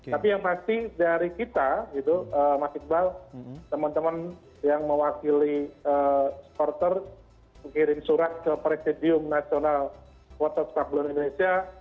tapi yang pasti dari kita gitu mas iqbal teman teman yang mewakili supporter mengirim surat ke presidium nasional water spaghlon indonesia